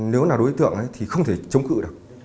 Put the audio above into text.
nếu là đối tượng thì không thể chống cự được